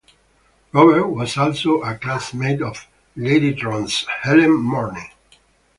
Roberts was also a classmate of Ladytron's Helen Marnie.